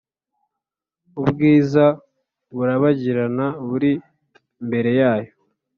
Ubwiza burabagirana buri imbere yayo